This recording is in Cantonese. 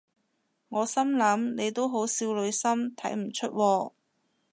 我心諗你都好少女心睇唔出喎